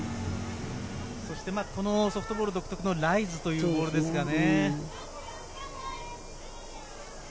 ソフトボール独特のライズというボールですかね。